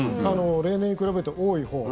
例年に比べて多いほう。